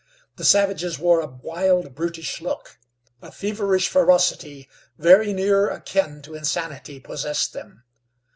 The savages wore a wild, brutish look. A feverish ferocity, very near akin to insanity, possessed them.